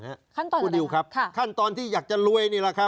ขั้นตอนคุณนิวครับขั้นตอนที่อยากจะรวยนี่แหละครับ